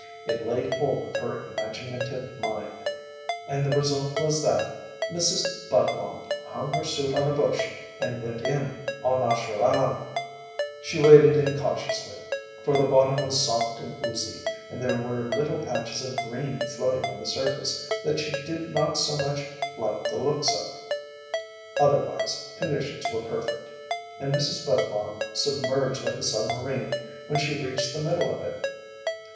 It laid hold of her imaginative mind, and the result was that Mrs. Budlong hung her suit on a bush and went in au naturelle. She waded in cautiously, for the bottom was soft and oozy and there were little patches of green floating on the surface that she did not so much like the looks of. Otherwise conditions were perfect, and Mrs. Budlong submerged like a submarine when she reached the middle of it.